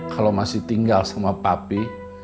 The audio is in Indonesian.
kalau masih tinggal semua papi